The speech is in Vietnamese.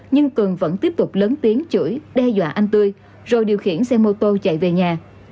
nhưng cường vẫn tiếp tục lớn tiếng chuỗi đe dọa anh tươi rồi điều khiển xe mô tô chạy về nhà